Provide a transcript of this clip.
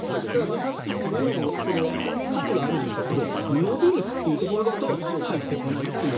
武蔵小杉も今も価値はあるんでしょうけど伸び率というところだと入ってこないと。